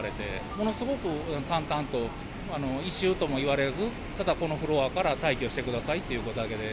ものすごく淡々と、異臭とも言われず、ただこのフロアから退去してくださいということだけで。